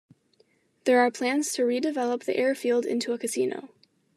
There are plans to redevelop the airfield into a casino.